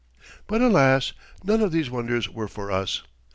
But alas! none of these wonders were for us.